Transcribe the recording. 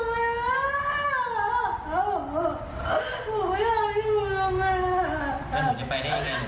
ผมอยากอยู่ด้วยแม่